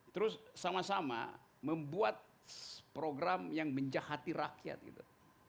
terus sama sama membuat program yang menjahati rakyat gitu